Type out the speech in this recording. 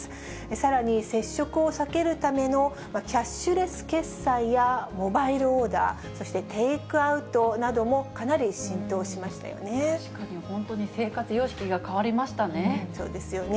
さらに、接触を避けるためのキャッシュレス決済やモバイルオーダー、そしてテイクアウトなどもかなり浸透しましたよね。